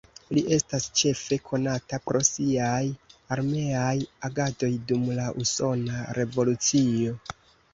Li estas ĉefe konata pro siaj armeaj agadoj dum la Usona revolucio.